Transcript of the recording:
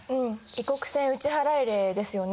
異国船打払令ですよね。